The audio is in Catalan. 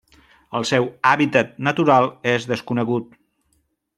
El seu hàbitat natural és desconegut.